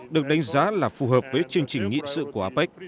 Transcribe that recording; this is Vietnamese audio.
được đánh giá là phù hợp với chương trình nghị sự của apec